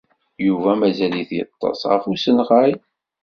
Yuba mazal-it yeṭṭes ɣef usenɣay.